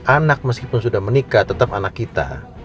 anak meskipun sudah menikah tetap anak kita